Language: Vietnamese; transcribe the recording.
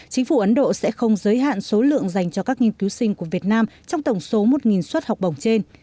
chính phủ ấn độ sẽ không giới hạn số lượng dành cho các nghiên cứu sinh của việt nam trong tổng số một suất học bổng trên